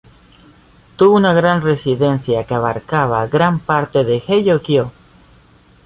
Tuvo una gran residencia que abarcaba gran parte de Heijō-kyō.